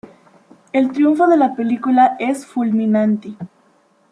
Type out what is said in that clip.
El triunfo de la película es fulminante.